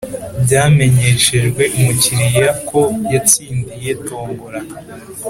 byamenyeshejwe umukiriya ko yatsindiye tombora